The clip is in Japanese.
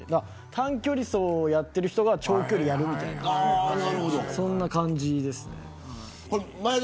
短距離走をやっている人が長距離をやるみたいな感じですね。